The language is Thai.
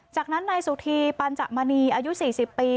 จากนั้นนายสุธีปัญจมณีอายุ๔๐ปี